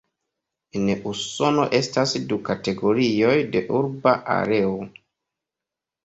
En Usono estas du kategorioj de urba areo.